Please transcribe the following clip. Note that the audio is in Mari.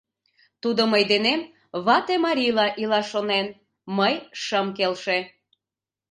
Тудо мый денем вате-марийла илаш шонен, мый шым келше...